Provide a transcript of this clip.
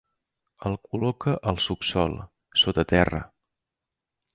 El col·loca al subsòl, sota terra.